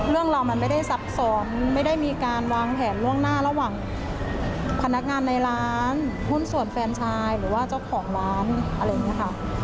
เรามันไม่ได้ซับซ้อนไม่ได้มีการวางแผนล่วงหน้าระหว่างพนักงานในร้านหุ้นส่วนแฟนชายหรือว่าเจ้าของร้านอะไรอย่างนี้ค่ะ